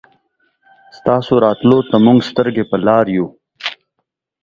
ستاسو راتلو ته مونږ سترګې په لار يو